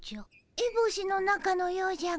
えぼしの中のようじゃが。